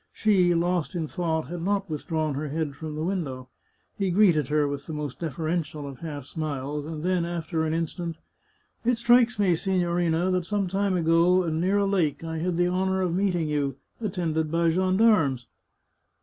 She, lost in thought, had not withdrawn her head from the window. He greeted her with the most deferential of half smiles, and then, after an instant —" It strikes me, signorina, that some time ago, and near a lake, I had the honour of meeting you, attended by gendarmes."